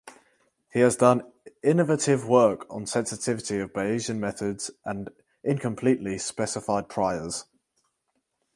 He has done innovative work on sensitivity of Bayesian methods and incompletely specified priors.